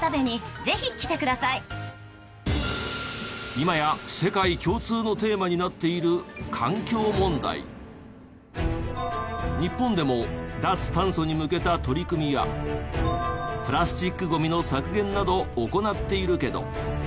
今や世界共通のテーマになっている日本でも脱炭素に向けた取り組みやプラスチックゴミの削減など行っているけど。